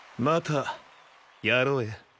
またやろうや。